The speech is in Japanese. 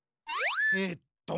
えっと。